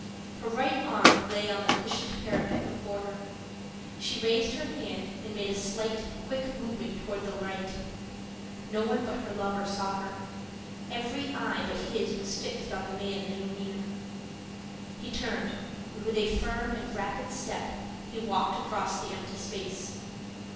Her right arm lay on the cushioned parapet before her. She raised her hand, and made a slight, quick movement toward the right. No one but her lover saw her. Every eye but his was fixed on the man in the arena. He turned, and with a firm and rapid step he walked across the empty space.